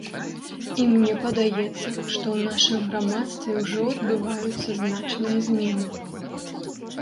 І мне падаецца, што ў нашым грамадстве ўжо адбываюцца значныя змены.